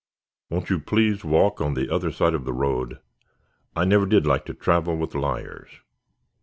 Won't you please walk on the other side of the road? I never did like to travel with liars."